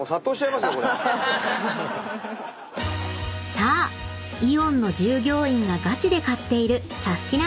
［さあイオンの従業員がガチで買っているサスティな！